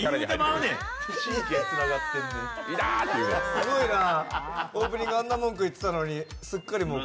すごいなオープニング、あんなに文句言ってたのに、すっかり。